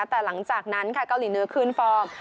แต่หลังจากนั้นค่ะเกาหลีเหนือคืนฟอร์ม